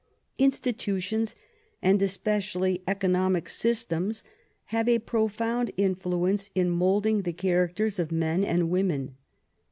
Institutions, and especially economic systems, have a profound influence in molding the characters of men and women.